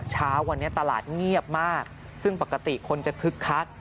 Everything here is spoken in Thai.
เช้าวันนี้ตลาดเงียบมากซึ่งปกติคนจะคึกคัก